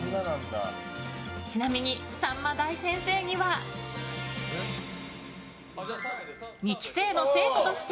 ちなみに「さんま大先生」には２期生の生徒として。